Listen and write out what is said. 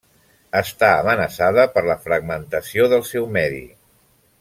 Està amenaçada per la fragmentació del seu medi.